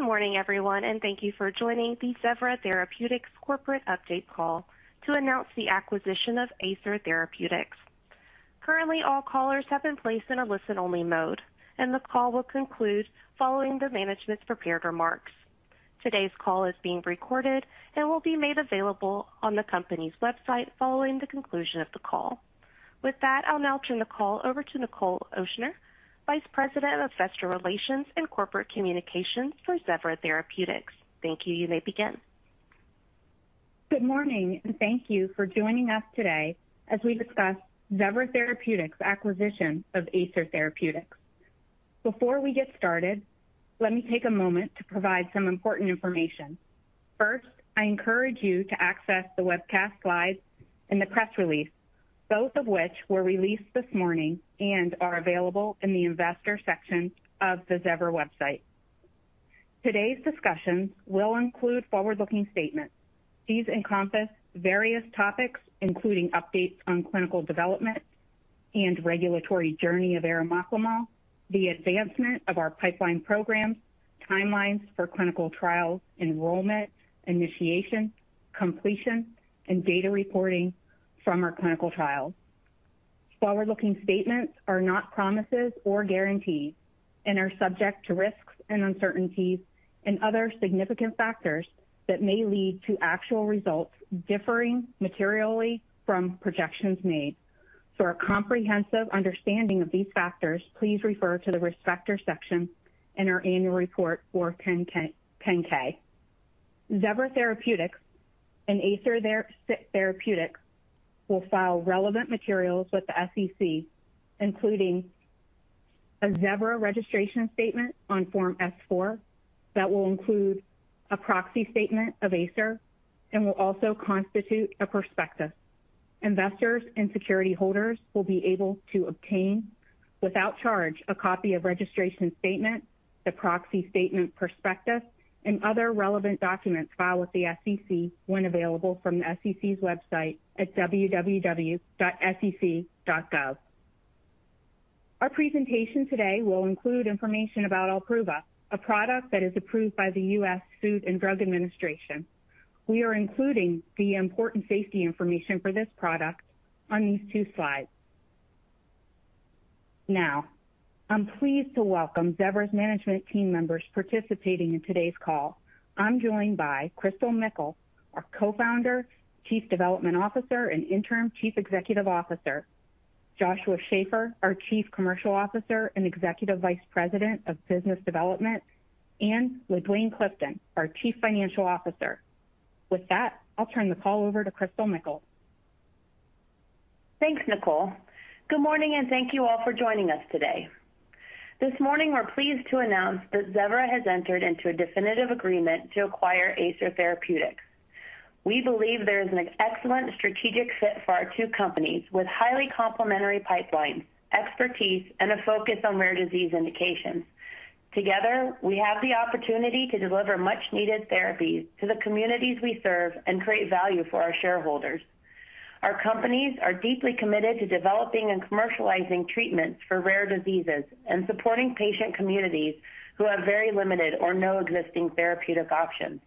Good morning, everyone, and thank you for joining the Zevra Therapeutics Corporate Update Call to announce the acquisition of Acer Therapeutics. Currently, all callers have been placed in a listen-only mode, and the call will conclude following the management's prepared remarks. Today's call is being recorded and will be made available on the company's website following the conclusion of the call. With that, I'll now turn the call over to Nichol Ochsner, Vice President of Investor Relations and Corporate Communications for Zevra Therapeutics. Thank you. You may begin. Good morning, and thank you for joining us today as we discuss Zevra Therapeutics' acquisition of Acer Therapeutics. Before we get started, let me take a moment to provide some important information. First, I encourage you to access the webcast slides and the press release, both of which were released this morning and are available in the Investor section of the Zevra website. Today's discussions will include forward-looking statements. These encompass various topics, including updates on clinical development and regulatory journey of arimoclomol, the advancement of our pipeline programs, timelines for clinical trials, enrollment, initiation, completion, and data reporting from our clinical trials. Forward-looking statements are not promises or guarantees and are subject to risks and uncertainties and other significant factors that may lead to actual results differing materially from projections made. For a comprehensive understanding of these factors, please refer to the Risk Factors section in our annual report on Form 10-K. Zevra Therapeutics and Acer Therapeutics will file relevant materials with the SEC, including a Zevra registration statement on Form S-4 that will include a proxy statement of Acer and will also constitute a prospectus. Investors and security holders will be able to obtain, without charge, a copy of registration statement, the proxy statement prospectus, and other relevant documents filed with the SEC when available from the SEC's website at www.sec.gov. Our presentation today will include information about OLPRUVA, a product that is approved by the US Food and Drug Administration. We are including the important safety information for this product on these two slides. Now, I'm pleased to welcome Zevra's management team members participating in today's call. I'm joined by Christal Mickle, our Co-founder, Chief Development Officer, and Interim Chief Executive Officer, Joshua Schafer, our Chief Commercial Officer and Executive Vice President of Business Development, and LaDuane Clifton, our Chief Financial Officer. With that, I'll turn the call over to Christal Mickle. Thanks, Nichol. Good morning, and thank you all for joining us today. This morning, we're pleased to announce that Zevra has entered into a definitive agreement to acquire Acer Therapeutics. We believe there is an excellent strategic fit for our two companies, with highly complementary pipelines, expertise, and a focus on rare disease indications. Together, we have the opportunity to deliver much-needed therapies to the communities we serve and create value for our shareholders. Our companies are deeply committed to developing and commercializing treatments for rare diseases and supporting patient communities who have very limited or no existing therapeutic options.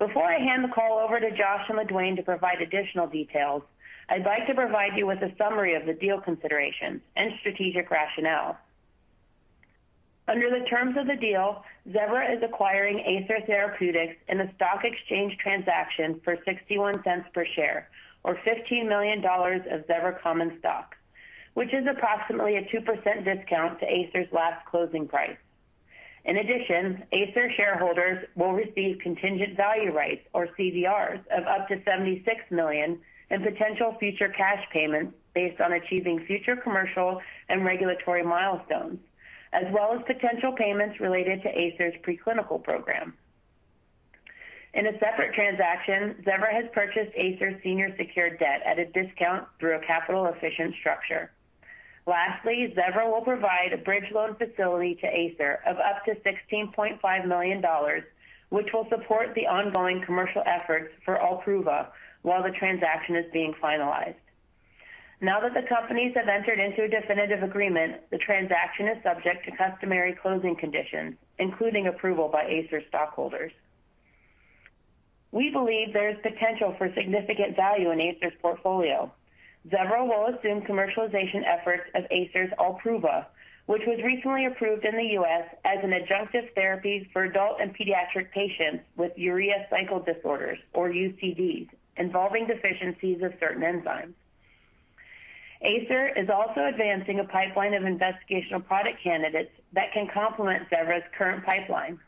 Before I hand the call over to Josh and LaDuane to provide additional details, I'd like to provide you with a summary of the deal considerations and strategic rationale. Under the terms of the deal, Zevra is acquiring Acer Therapeutics in a stock exchange transaction for $0.61 per share, or $15 million of Zevra common stock, which is approximately a 2% discount to Acer's last closing price. In addition, Acer shareholders will receive contingent value rights, or CVRs, of up to $76 million in potential future cash payments based on achieving future commercial and regulatory milestones, as well as potential payments related to Acer's preclinical program. In a separate transaction, Zevra has purchased Acer's senior secured debt at a discount through a capital-efficient structure. Lastly, Zevra will provide a bridge loan facility to Acer of up to $16.5 million, which will support the ongoing commercial efforts for OLPRUVA while the transaction is being finalized. Now that the companies have entered into a definitive agreement, the transaction is subject to customary closing conditions, including approval by Acer stockholders. We believe there is potential for significant value in Acer's portfolio. Zevra will assume commercialization efforts of Acer's OLPRUVA, which was recently approved in the U.S. as an adjunctive therapy for adult and pediatric patients with urea cycle disorders, or UCDs, involving deficiencies of certain enzymes. Acer is also advancing a pipeline of investigational product candidates that can complement Zevra's current pipeline.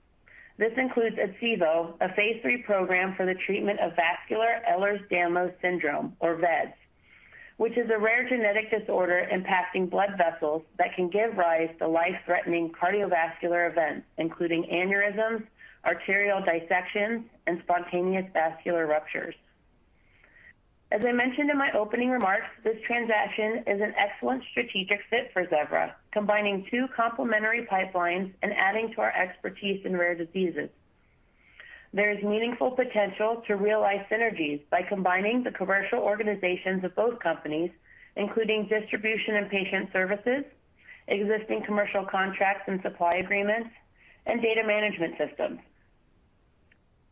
This includes EDSIVO, a phase three program for the treatment of vascular Ehlers-Danlos syndrome, or vEDS, which is a rare genetic disorder impacting blood vessels that can give rise to life-threatening cardiovascular events, including aneurysms, arterial dissections, and spontaneous vascular ruptures. As I mentioned in my opening remarks, this transaction is an excellent strategic fit for Zevra, combining two complementary pipelines and adding to our expertise in rare diseases.... There is meaningful potential to realize synergies by combining the commercial organizations of both companies, including distribution and patient services, existing commercial contracts and supply agreements, and data management systems.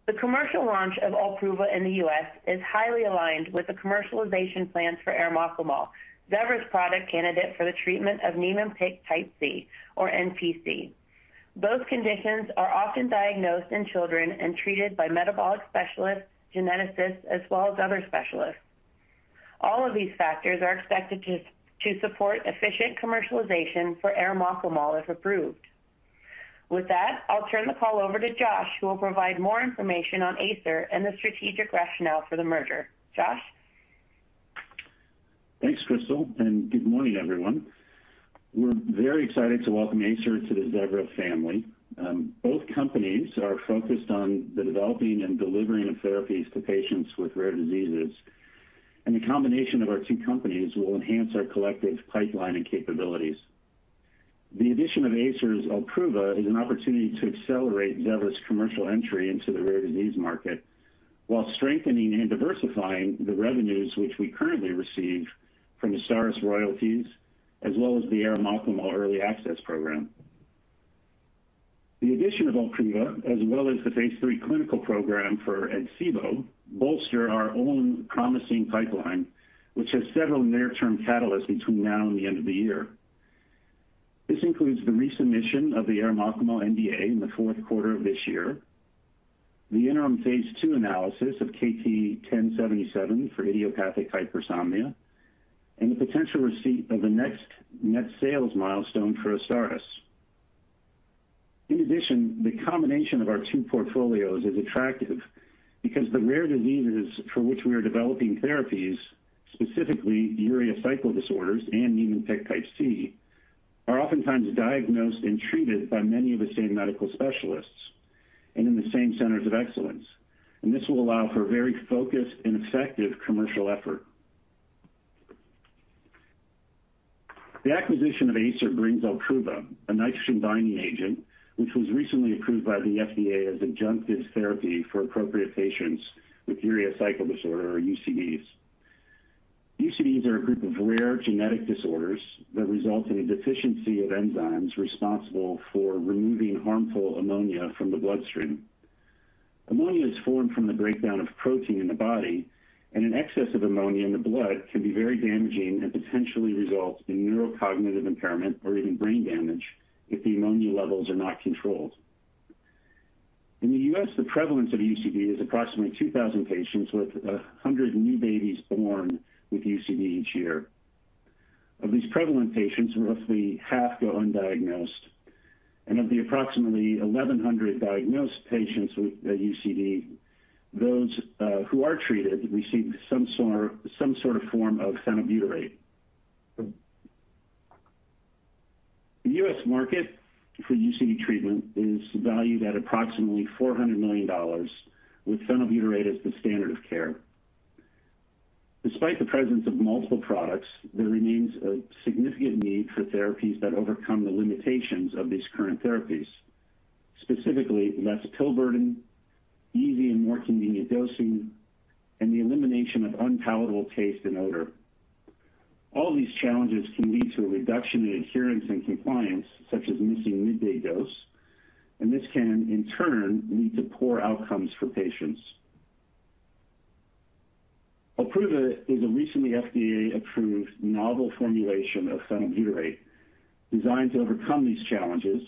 The commercial launch of OLPRUVA in the U.S. is highly aligned with the commercialization plans for arimoclomol, Zevra's product candidate for the treatment of Niemann-Pick type C, or NPC. Both conditions are often diagnosed in children and treated by metabolic specialists, geneticists, as well as other specialists. All of these factors are expected to support efficient commercialization for arimoclomol, if approved. With that, I'll turn the call over to Josh, who will provide more information on Acer and the strategic rationale for the merger. Josh? Thanks, Christal, and good morning, everyone. We're very excited to welcome Acer to the Zevra family. Both companies are focused on the developing and delivering of therapies to patients with rare diseases, and the combination of our two companies will enhance our collective pipeline and capabilities. The addition of Acer's OLPRUVA is an opportunity to accelerate Zevra's commercial entry into the rare disease market, while strengthening and diversifying the revenues which we currently receive from Azstarys royalties, as well as the arimoclomol early access program. The addition of OLPRUVA, as well as the phase 3 clinical program for EDSIVO, bolster our own promising pipeline, which has several near-term catalysts between now and the end of the year. This includes the resubmission of the arimoclomol NDA in the fourth quarter of this year, the interim phase 2 analysis of KP1077 for idiopathic hypersomnia, and the potential receipt of the next net sales milestone for Azstarys. In addition, the combination of our two portfolios is attractive because the rare diseases for which we are developing therapies, specifically urea cycle disorders and Niemann-Pick disease type C, are oftentimes diagnosed and treated by many of the same medical specialists and in the same centers of excellence. And this will allow for a very focused and effective commercial effort. The acquisition of Acer brings OLPRUVA, a nitrogen binding agent, which was recently approved by the FDA as adjunctive therapy for appropriate patients with urea cycle disorders, or UCDs. UCDs are a group of rare genetic disorders that result in a deficiency of enzymes responsible for removing harmful ammonia from the bloodstream. Ammonia is formed from the breakdown of protein in the body, and an excess of ammonia in the blood can be very damaging and potentially result in neurocognitive impairment or even brain damage if the ammonia levels are not controlled. In the U.S., the prevalence of UCD is approximately 2,000 patients, with 100 new babies born with UCD each year. Of these prevalent patients, roughly half go undiagnosed, and of the approximately 1,100 diagnosed patients with a UCD, those who are treated receive some sort, some sort of form of phenylbutyrate. The U.S. market for UCD treatment is valued at approximately $400 million, with phenylbutyrate as the standard of care. Despite the presence of multiple products, there remains a significant need for therapies that overcome the limitations of these current therapies, specifically, less pill burden, easy and more convenient dosing, and the elimination of unpalatable taste and odor. All these challenges can lead to a reduction in adherence and compliance, such as missing midday dose, and this can, in turn, lead to poor outcomes for patients. OLPRUVA is a recently FDA-approved novel formulation of phenylbutyrate, designed to overcome these challenges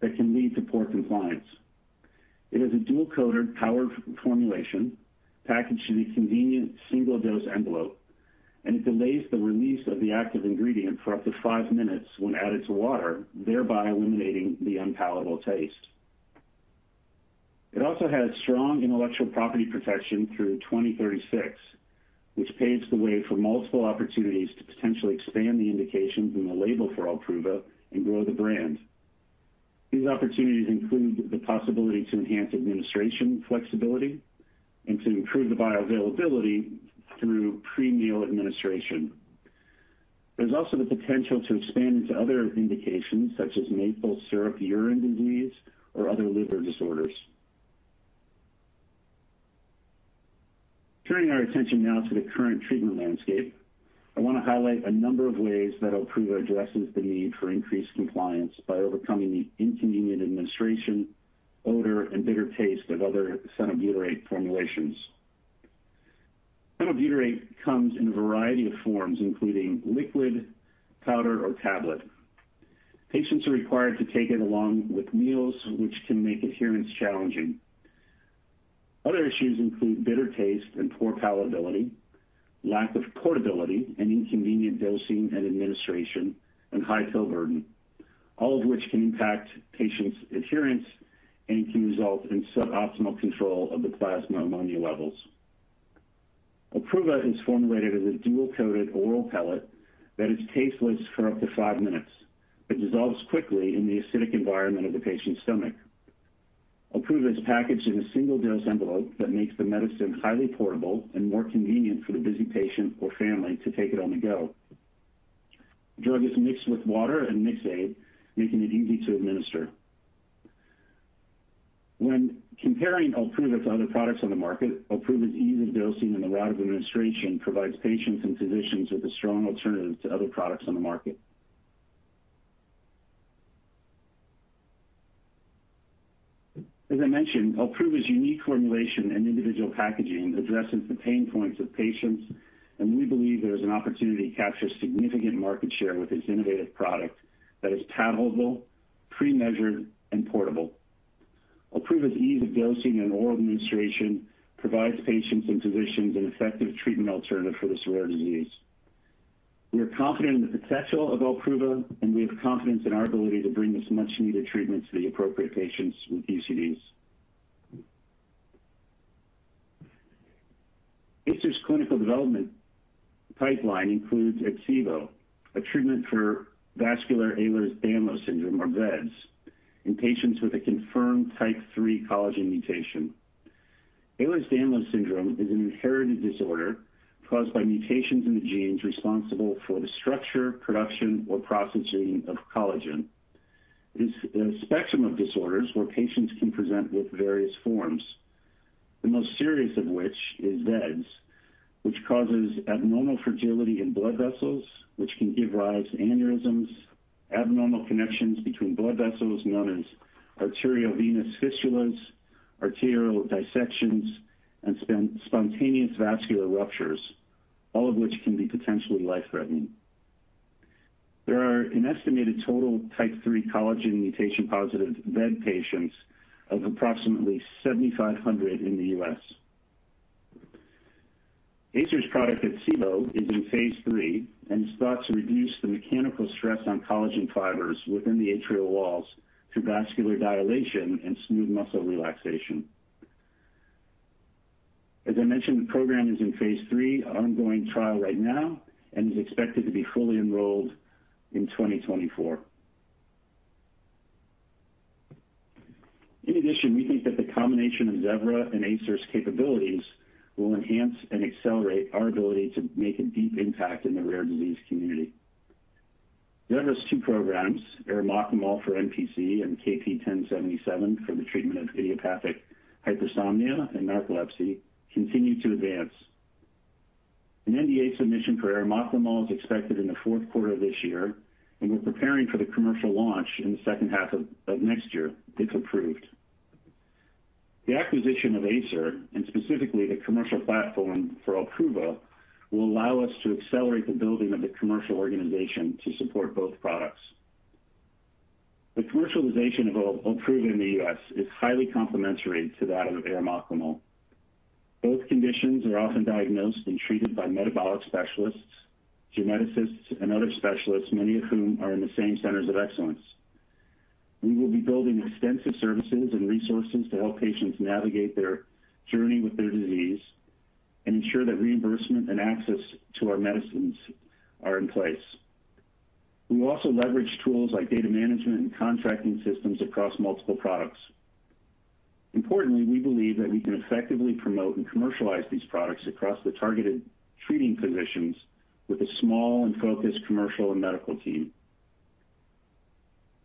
that can lead to poor compliance. It is a dual-coated powder formulation packaged in a convenient single-dose envelope, and it delays the release of the active ingredient for up to five minutes when added to water, thereby eliminating the unpalatable taste. It also has strong intellectual property protection through 2036, which paves the way for multiple opportunities to potentially expand the indications in the label for OLPRUVA and grow the brand. These opportunities include the possibility to enhance administration flexibility and to improve the bioavailability through pre-meal administration. There's also the potential to expand into other indications, such as Maple Syrup Urine Disease or other liver disorders. Turning our attention now to the current treatment landscape, I want to highlight a number of ways that OLPRUVA addresses the need for increased compliance by overcoming the inconvenient administration, odor, and bitter taste of other phenylbutyrate formulations. Phenylbutyrate comes in a variety of forms, including liquid, powder, or tablet. Patients are required to take it along with meals, which can make adherence challenging. Other issues include bitter taste and poor palatability, lack of portability and inconvenient dosing and administration, and high pill burden, all of which can impact patients' adherence and can result in suboptimal control of the plasma ammonia levels. OLPRUVA is formulated as a dual-coated oral pellet that is tasteless for up to five minutes. It dissolves quickly in the acidic environment of the patient's stomach. OLPRUVA is packaged in a single-dose envelope that makes the medicine highly portable and more convenient for the busy patient or family to take it on the go... The drug is mixed with water and makes it, making it easy to administer. When comparing OLPRUVA to other products on the market, OLPRUVA's ease of dosing and the route of administration provides patients and physicians with a strong alternative to other products on the market. As I mentioned, OLPRUVA's unique formulation and individual packaging addresses the pain points of patients, and we believe there is an opportunity to capture significant market share with this innovative product that is palatable, pre-measured, and portable. OLPRUVA's ease of dosing and oral administration provides patients and physicians an effective treatment alternative for this rare disease. We are confident in the potential of OLPRUVA, and we have confidence in our ability to bring this much-needed treatment to the appropriate patients with UCDs. Acer's clinical development pipeline includes EDSIVO, a treatment for vascular Ehlers-Danlos syndrome, or vEDS, in patients type III collagen mutation. Ehlers-Danlos syndrome is an inherited disorder caused by mutations in the genes responsible for the structure, production, or processing of collagen. It's a spectrum of disorders where patients can present with various forms, the most serious of which is vEDS, which causes abnormal fragility in blood vessels, which can give rise to aneurysms, abnormal connections between blood vessels known as arteriovenous fistulas, arterial dissections, and spontaneous vascular ruptures, all of which can be potentially type III collagen mutation-positive vEDS patients of approximately 7,500 in the U.S. Acer's product, EDSIVO, is in phase three and is thought to reduce the mechanical stress on collagen fibers within the arterial walls through vascular dilation and smooth muscle relaxation. As I mentioned, the program is in phase three, ongoing trial right now, and is expected to be fully enrolled in 2024. In addition, we think that the combination of Zevra and Acer's capabilities will enhance and accelerate our ability to make a deep impact in the rare disease community. Zevra's two programs, arimoclomol for NPC and KP1077 for the treatment of idiopathic hypersomnia and narcolepsy, continue to advance. An NDA submission for arimoclomol is expected in the fourth quarter of this year, and we're preparing for the commercial launch in the second half of next year, if approved. The acquisition of Acer, and specifically the commercial platform for OLPRUVA, will allow us to accelerate the building of the commercial organization to support both products. The commercialization of OLPRUVA in the U.S. is highly complementary to that of arimoclomol. Both conditions are often diagnosed and treated by metabolic specialists, geneticists, and other specialists, many of whom are in the same centers of excellence. We will be building extensive services and resources to help patients navigate their journey with their disease and ensure that reimbursement and access to our medicines are in place. We will also leverage tools like data management and contracting systems across multiple products. Importantly, we believe that we can effectively promote and commercialize these products across the targeted treating physicians with a small and focused commercial and medical team.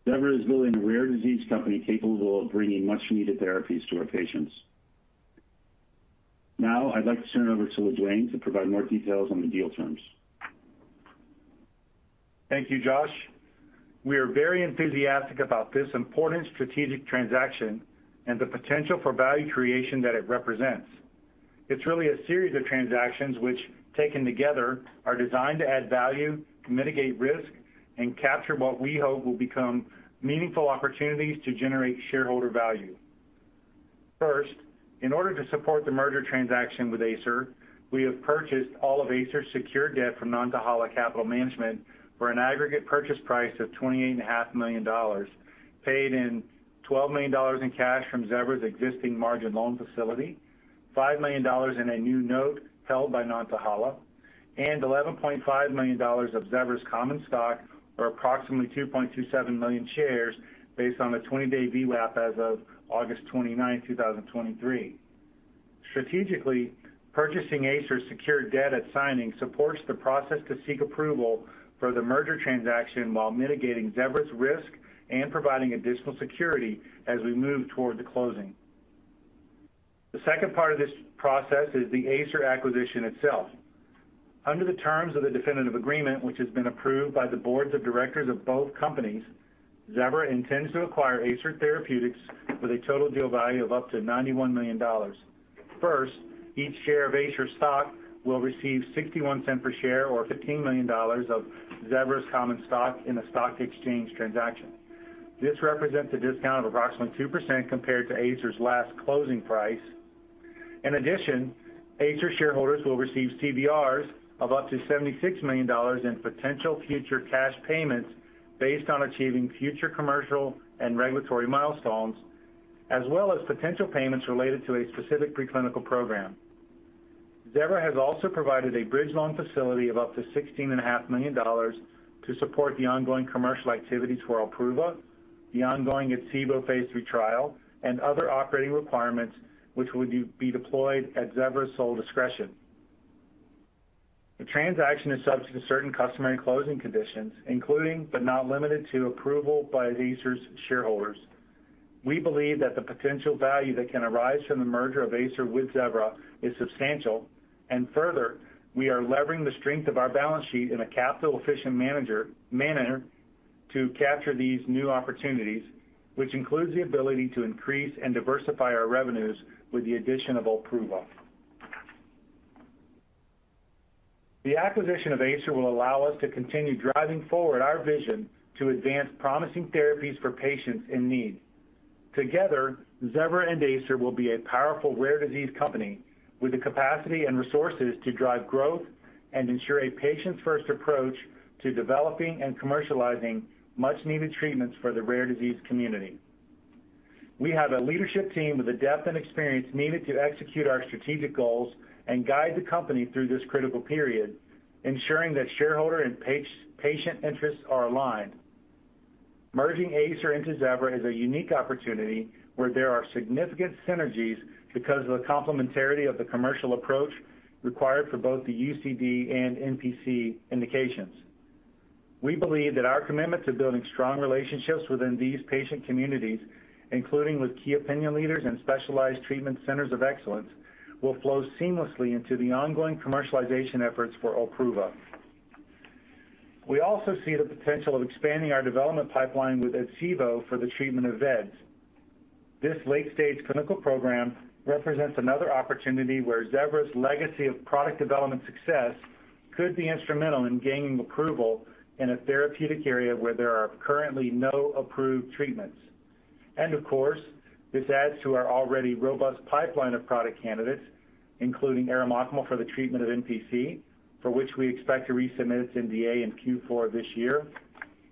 Zevra is building a rare disease company capable of bringing much-needed therapies to our patients. Now, I'd like to turn it over to LaDuane to provide more details on the deal terms. Thank you, Josh. We are very enthusiastic about this important strategic transaction and the potential for value creation that it represents. It's really a series of transactions which, taken together, are designed to add value, mitigate risk, and capture what we hope will become meaningful opportunities to generate shareholder value. First, in order to support the merger transaction with Acer, we have purchased all of Acer's secured debt from Nantahala Capital Management for an aggregate purchase price of $28.5 million, paid in $12 million in cash from Zevra's existing margin loan facility, $5 million in a new note held by Nantahala, and $11.5 million of Zevra's common stock, or approximately 2.27 million shares, based on the 20-day VWAP as of August twenty-ninth, two thousand twenty-three. Strategically, purchasing Acer's secured debt at signing supports the process to seek approval for the merger transaction while mitigating Zevra's risk and providing additional security as we move toward the closing. The second part of this process is the Acer acquisition itself. Under the terms of the definitive agreement, which has been approved by the boards of directors of both companies, Zevra intends to acquire Acer Therapeutics with a total deal value of up to $91 million. First, each share of Acer stock will receive 61 cents per share, or $15 million of Zevra's common stock in a stock exchange transaction. This represents a discount of approximately 2% compared to Acer's last closing price. In addition, Acer shareholders will receive CVRs of up to $76 million in potential future cash payments based on achieving future commercial and regulatory milestones, as well as potential payments related to a specific preclinical program. Zevra has also provided a bridge loan facility of up to $16.5 million to support the ongoing commercial activities for OLPRUVA... the ongoing EDSIVO Phase III trial and other operating requirements, which would be deployed at Zevra's sole discretion. The transaction is subject to certain customary closing conditions, including, but not limited to, approval by Acer's shareholders. We believe that the potential value that can arise from the merger of Acer with Zevra is substantial, and further, we are leveraging the strength of our balance sheet in a capital-efficient manner to capture these new opportunities, which includes the ability to increase and diversify our revenues with the addition of OLPRUVA. The acquisition of Acer will allow us to continue driving forward our vision to advance promising therapies for patients in need. Together, Zevra and Acer will be a powerful rare disease company with the capacity and resources to drive growth and ensure a patient-first approach to developing and commercializing much-needed treatments for the rare disease community. We have a leadership team with the depth and experience needed to execute our strategic goals and guide the company through this critical period, ensuring that shareholder and patient interests are aligned. Merging Acer into Zevra is a unique opportunity where there are significant synergies because of the complementarity of the commercial approach required for both the UCD and NPC indications. We believe that our commitment to building strong relationships within these patient communities, including with key opinion leaders and specialized treatment centers of excellence, will flow seamlessly into the ongoing commercialization efforts for OLPRUVA. We also see the potential of expanding our development pipeline with EDSIVO for the treatment of vEDS. This late-stage clinical program represents another opportunity where Zevra's legacy of product development success could be instrumental in gaining approval in a therapeutic area where there are currently no approved treatments. Of course, this adds to our already robust pipeline of product candidates, including arimoclomol for the treatment of NPC, for which we expect to resubmit its NDA in Q4 this year,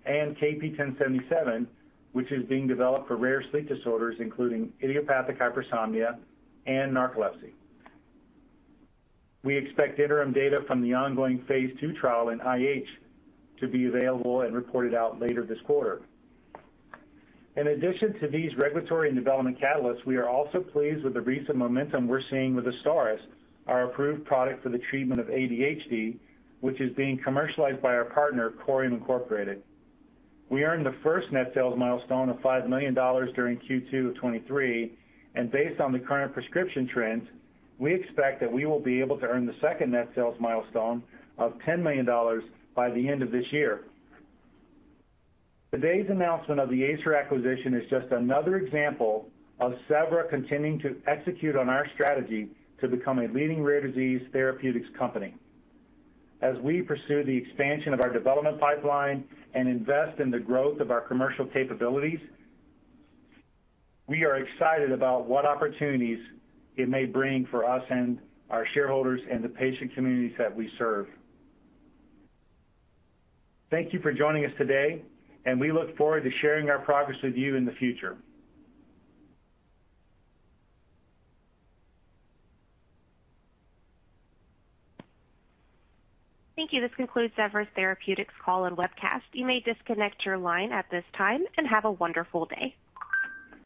and KP1077, which is being developed for rare sleep disorders, including idiopathic hypersomnia and narcolepsy. We expect interim data from the ongoing phase II trial in IH to be available and reported out later this quarter. In addition to these regulatory and development catalysts, we are also pleased with the recent momentum we're seeing with Azstarys, our approved product for the treatment of ADHD, which is being commercialized by our partner, Corium, Inc. We earned the first net sales milestone of $5 million during Q2 of 2023, and based on the current prescription trends, we expect that we will be able to earn the second net sales milestone of $10 million by the end of this year. Today's announcement of the Acer acquisition is just another example of Zevra continuing to execute on our strategy to become a leading rare disease therapeutics company. As we pursue the expansion of our development pipeline and invest in the growth of our commercial capabilities, we are excited about what opportunities it may bring for us and our shareholders and the patient communities that we serve. Thank you for joining us today, and we look forward to sharing our progress with you in the future. Thank you. This concludes Zevra Therapeutics' call and webcast. You may disconnect your line at this time, and have a wonderful day.